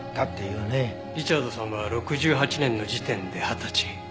リチャードさんは６８年の時点で二十歳。